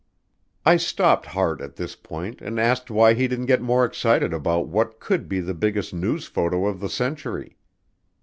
I stopped Hart at this point and asked why he didn't get more excited about what could be the biggest news photos of the century.